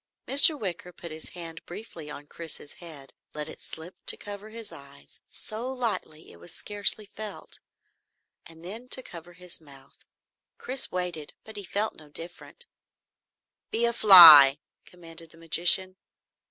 Mr. Wicker put his hand briefly on Chris's head, let it slip to cover his eyes so lightly it was scarcely felt and then to cover his mouth. Chris waited, but he felt no different. "Be a fly!" commanded the magician.